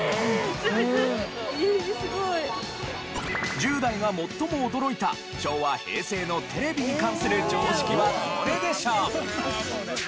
１０代が最も驚いた昭和・平成のテレビに関する常識はどれでしょう？